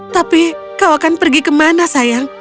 tapi kau akan pergi kemana sayang